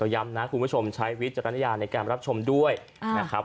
ย้ำนะคุณผู้ชมใช้วิจารณญาณในการรับชมด้วยนะครับ